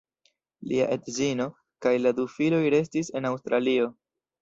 Lia edzino kaj la du filoj restis en Aŭstralio.